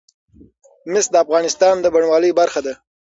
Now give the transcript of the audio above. مس د افغانستان د بڼوالۍ برخه ده.